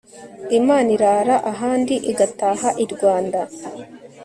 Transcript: imana irara ahandi igataha i rwanda